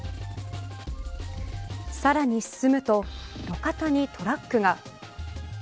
さらに進むと路肩にトラックが。